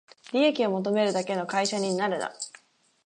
利益を求めるだけの会社になるな